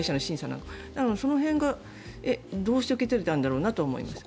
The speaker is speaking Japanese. なので、その辺がどうして受け取れたんだろうなと思いました。